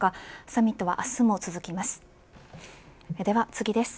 サミットは明日も続きます。